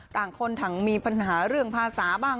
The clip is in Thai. ต่างคนต่างมีปัญหาเรื่องภาษาบ้าง